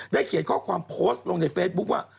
เขียนข้อความโพสต์ลงในเฟซบุ๊คว่า